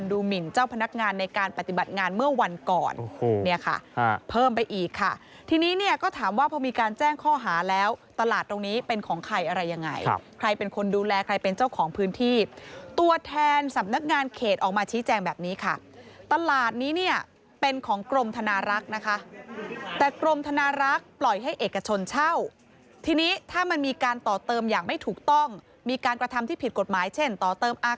๖ดูหมินเจ้าพนักงานในขณะปฏิบัติหน้าที่ข้อหานี้เป็นการแจ้งความดำเนินคดีกับผู้ที่ข้อหานี้เป็นการแจ้งความดำเนินคดีกับผู้ที่ข้อหานี้เป็นการแจ้งความดำเนินคดีกับผู้ที่ข้อหานี้เป็นการแจ้งความดำเนินคดีกับผู้ที่ข้อหานี้เป็นการแจ้งความดำเนินคดีกับผู้ที่ข้อหานี้เป็นการแจ้ง